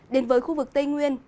đến với khu vực tây nguyên